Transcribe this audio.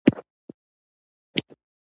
د نومونو تر منځ پولې به ړنګې شي.